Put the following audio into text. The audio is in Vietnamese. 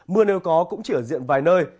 mưa nêu có cũng chỉ ở diện vài nơi